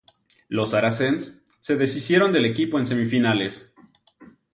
Los Saracens se deshicieron del equipo en semifinales.